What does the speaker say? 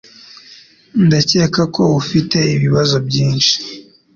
Ndakeka ko ufite ibibazo byinshi